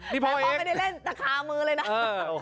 นี่พ่อไม่ได้เล่นแต่คามือเลยนะ